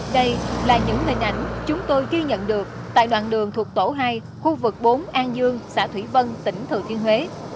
đây là những hình ảnh chúng tôi ghi nhận được tại đoạn đường thuộc tổ hai khu vực bốn an dương xã thủy vân tỉnh thừa thiên huế